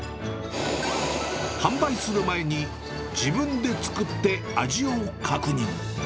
販売する前に自分で作って味を確認。